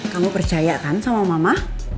kamu percaya kan sama mama